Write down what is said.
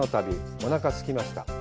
おなかすきました。